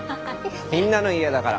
みんなの家だから。